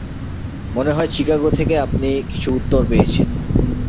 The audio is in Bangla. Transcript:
মনে হয় চিকাগো থেকে আপনি কিছু উত্তর পেয়েছেন।